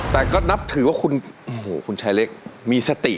แต่ก็นับถือว่าคุณโอ้โหคุณชายเล็กมีสติ